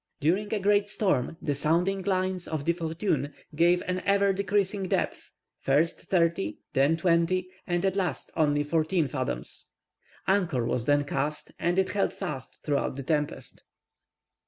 During a great storm, the sounding lines of the Fortune gave an ever decreasing depth, first thirty, then twenty, and at last only fourteen fathoms. Anchor was then cast, and it held fast throughout the tempest.